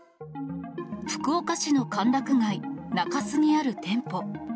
福岡市の歓楽街、中洲にある店舗。